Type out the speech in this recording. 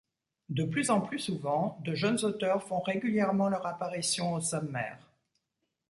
De plus en plus souvent, de jeunes auteurs font régulièrement leur apparition au sommaire.